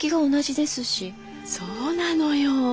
そうなのよ。